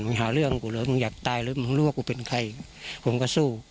หาเรื่องกูเลยมึงอยากตายเลยมึงรู้ว่ากูเป็นใครผมก็สู้